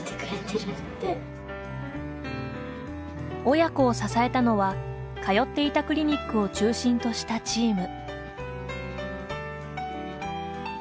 親子を支えたのは通っていたクリニックを中心としたチーム。